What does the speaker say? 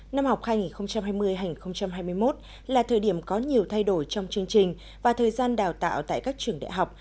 năm học hai nghìn hai mươi hai nghìn hai mươi một là thời điểm có nhiều thay đổi trong chương trình và thời gian đào tạo tại các trường đại học